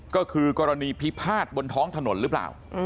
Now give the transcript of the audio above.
ก็คือกรณีพิพาทบนท้องถนนหรือเปล่า